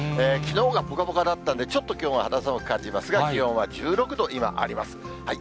きのうがぽかぽかだったんで、ちょっときょうは肌寒く感じますが、気温は１６度、今あります。